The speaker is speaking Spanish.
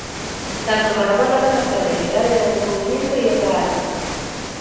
Tanto para vuelos espaciales, en el área de recubrimiento y otras áreas.